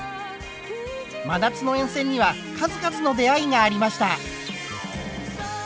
真夏の沿線には数々の出会いがありました。